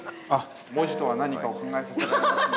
◆文字とは何かを考えさせられますね。